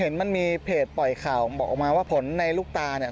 มันมีเพจปล่อยข่าวบอกออกมาว่าผลในลูกตาเนี่ย